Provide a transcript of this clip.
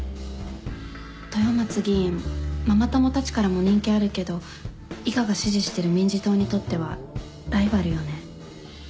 豊松議員ママ友たちからも人気あるけど伊賀が支持してる民事党にとってはライバルよね。